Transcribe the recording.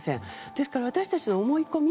ですから、私たちの思い込み。